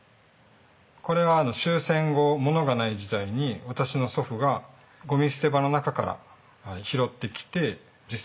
これは終戦後物がない時代に私の祖父がごみ捨て場の中から拾ってきて実際使ってたものです。